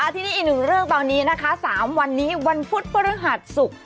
ทีนี้อีกหนึ่งเรื่องตอนนี้นะคะ๓วันนี้วันพุธพฤหัสศุกร์